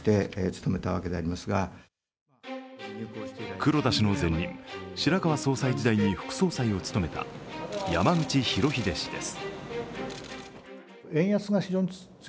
黒田氏の前任・白川総裁時代に副総裁を務めた山口廣秀氏です。